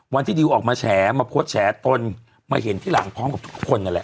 วันที่ดิวออกมาแฉมาโพสต์แฉตนมาเห็นที่หลังพร้อมกับทุกคนนั่นแหละ